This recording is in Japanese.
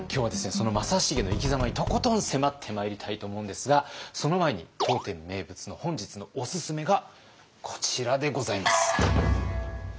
その正成の生きざまにとことん迫ってまいりたいと思うんですがその前に当店名物の本日のおすすめがこちらでございます。